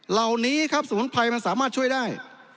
เหล่านี้ครับศูนย์ภัยมันสามารถช่วยได้